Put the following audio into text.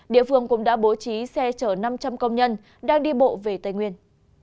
địa phương cũng đã bố trí xe chở năm trăm linh công nhân đang đi bộ về tây nguyên